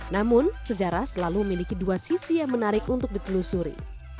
namun sejarah selalu memiliki dua sisi yang menarik untuk ditelusuri